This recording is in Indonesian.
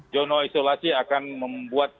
zona isolasi akan membuat